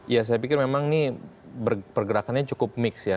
ya saya pikir memang ini pergerakannya cukup mix ya